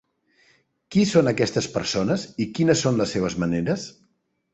Qui són aquestes persones i quines són les seves maneres?